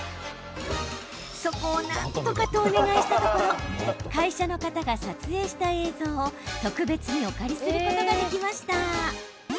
そこをなんとか、とお願いしたところ会社の方が撮影した映像を特別にお借りすることができました。